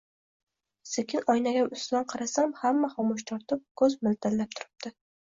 Sekin oynagim ustidan qarasam, hamma xomush tortib, ko‘zi miltillab turibdi.